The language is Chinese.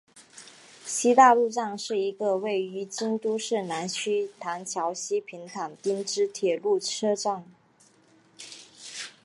西大路站是一个位于京都市南区唐桥西平垣町之铁路车站。